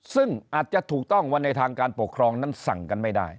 ซึ่งอาจจะถูกต้องว่าในทางการปกครองนั้นสั่งกันไม่ได้